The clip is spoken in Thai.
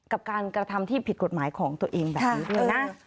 กับการกระทำที่ผิดกฎหมายของตัวเองแบบนี้ด้วยนะ